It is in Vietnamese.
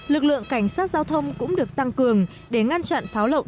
lực lượng cảnh sát giao thông cũng được tăng cường để ngăn chặn pháo lậu